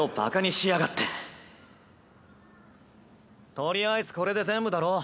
とりあえずこれで全部だろ。